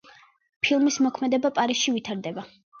ფილმის მოქმედება პარიზში ვითარდება.